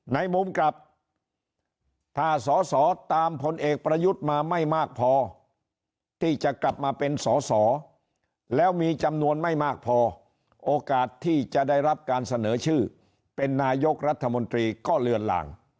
ในมุมกลับถ้าสอสอตามพลเอกประยุทธ์มาไม่มากพอที่จะกลับมาเป็นสอสอแล้วมีจำนวนไม่มากพอโอกาสที่จะได้รับการเสนอชื่อเป็นนายกรัฐมนตรีก็เลือนลาง